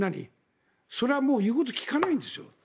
それは言うこと聞かないんですよ。